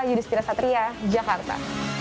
yudhistira satria jakarta